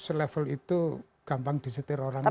masuk selevel itu gampang disetir orang lain